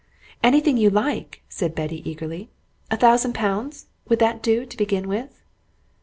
"Anything you like!" said Betty eagerly. "A thousand pounds? would that do, to begin with."